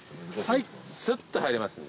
はい。